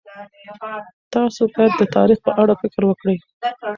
تاسو باید د تاریخ په اړه فکر وکړئ.